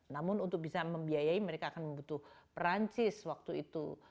namun untuk bisa membiayai mereka akan membutuhkan perancis waktu itu